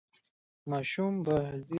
ماشوم باید د نورو ماشومانو سره همکاري وکړي.